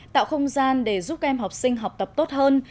tạo không gian để giúp các em học sinh học tập tốt hơn